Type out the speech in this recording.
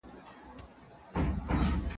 چي راياد سي هغه ورځي